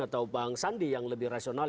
atau pak ang sandi yang lebih rasional